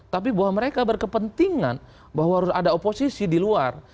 tapi bahwa mereka berkepentingan bahwa harus ada oposisi di luar